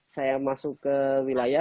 saya masuk ke wilayah